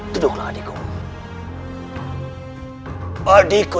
pertama yang siap biro